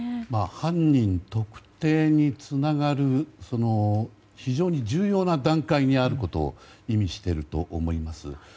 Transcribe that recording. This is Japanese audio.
犯人特定につながる非常に重要な段階にあることを意味していると思います。